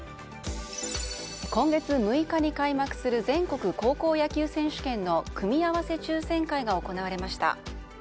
今月６日に開幕する全国高校野球選手権の組み合わせ抽選会が行われました。